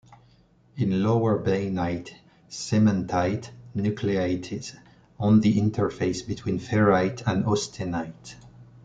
In lower bainite, cementite nucleates on the interface between ferrite and austenite.